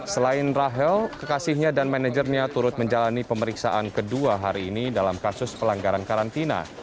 selain rahel kekasihnya dan manajernya turut menjalani pemeriksaan kedua hari ini dalam kasus pelanggaran karantina